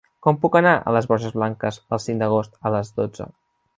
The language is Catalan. Com puc anar a les Borges Blanques el cinc d'agost a les dotze?